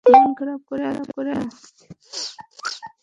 মন খারাপ করে আছো কেন?